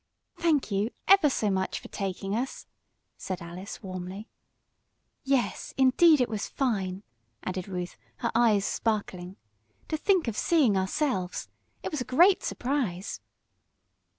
"Thank you, ever so much, for taking us!" said Alice, warmly. "Yes, indeed, it was fine!" added Ruth, her eyes sparkling. "To think of seeing ourselves! It was a great surprise."